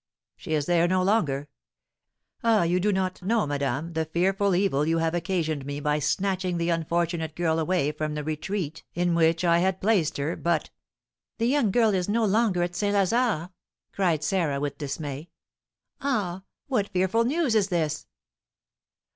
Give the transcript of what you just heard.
"She is there no longer. Ah, you do not know, madame, the fearful evil you have occasioned me by snatching the unfortunate girl away from the retreat in which I had placed her; but " "The young girl is no longer at St. Lazare!" cried Sarah, with dismay; "ah, what fearful news is this!"